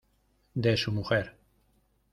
de su mujer.